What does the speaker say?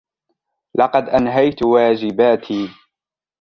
لقد أنهيت واجباتي.